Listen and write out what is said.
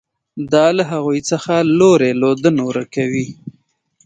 دا له هغوی څخه لوری لودن ورک کوي.